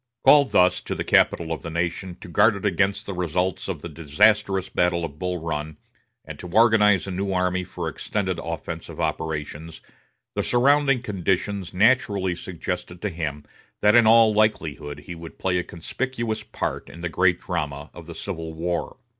Called thus to the capital of the nation to guard it against the results of the disastrous battle of Bull Run, and to organize a new army for extended offensive operations, the surrounding conditions naturally suggested to him that in all likelihood he would play a conspicuous part in the great drama of the Civil War.